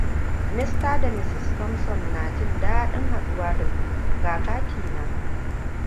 Mr. da Mrs. Thompson, naji daɗin haɗuwa da ku. Ga kati na.